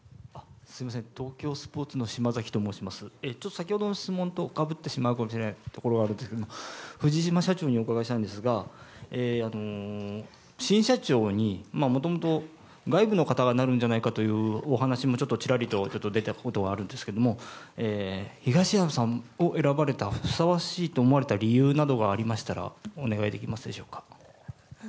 先ほどの質問と被ってしまうかもしれないところはあるんですけども藤島社長にお伺いしたいんですが新社長にもともと外部の方がなるんじゃないかというお話もちらりと出たことがあるんですけども東山さんを選ばれたふさわしいと思われた理由がありましたらお願いできますでしょうか。